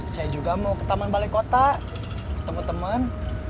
saya juga mau ke taman balai kota teman teman